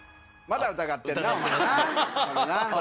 まだ疑ってるな。